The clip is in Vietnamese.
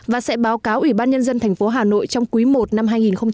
và sẽ báo cáo ủy ban nhân dân thành phố hà nội trong quý i năm hai nghìn hai mươi